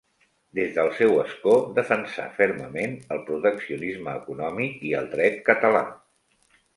Des del seu escó defensà fermament el proteccionisme econòmic i el dret català.